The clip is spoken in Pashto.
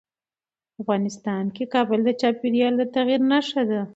افغانستان کې کابل د چاپېریال د تغیر نښه ده.